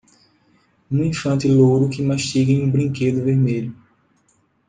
Um infante louro que mastiga em um brinquedo vermelho.